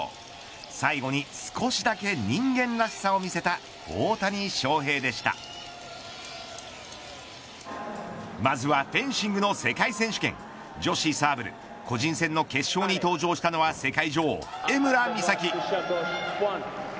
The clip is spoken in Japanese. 最後に少しだけ人間らしさを見せたまずはフェンシングの世界選手権女子サーブル個人戦の決勝に登場したのは世界女王、江村美咲。